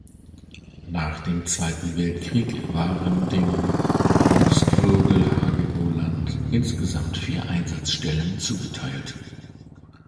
Nach dem Zweiten Weltkrieg waren dem Bw Hagenow Land insgesamt vier Einsatzstellen zugeteilt.